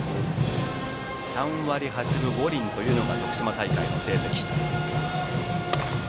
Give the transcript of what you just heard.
３割８分５厘というのが徳島大会の成績。